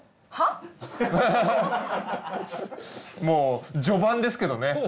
もう序盤ですけどね。